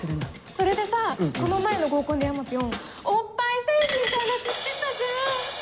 それでさこの前の合コンで山ピョンおっぱい星人って話してたじゃん！